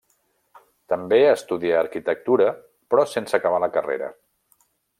També estudià arquitectura, però sense acabar la carrera.